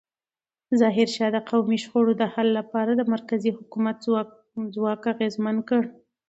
ظاهرشاه د قومي شخړو د حل لپاره د مرکزي حکومت ځواک اغېزمن کړ.